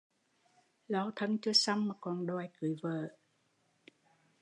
Lo thân chưa xong mà còn đòi cưới vợ